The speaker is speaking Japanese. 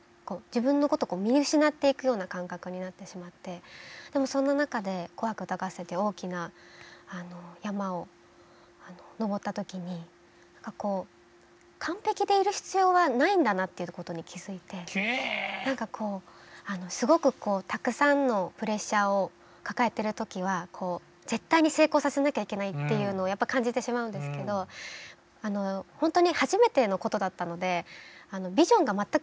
自分のこと見失っていくような感覚になってしまってでもそんな中で「紅白歌合戦」っていう大きな山を登った時にっていうことに気付いてすごくこうたくさんのプレッシャーを抱えてる時は絶対に成功させなきゃいけないっていうのを感じてしまうんですけど本当に初めてのことだったのでビジョンが全く見えなかったんです。